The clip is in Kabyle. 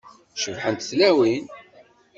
Cebḥent tlawin.